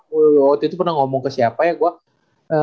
waktu itu pernah ngomong ke siapa ya gue